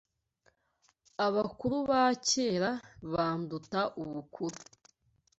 abakuru ba kera banduta ubukuru